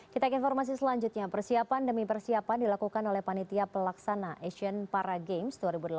kita ke informasi selanjutnya persiapan demi persiapan dilakukan oleh panitia pelaksana asian para games dua ribu delapan belas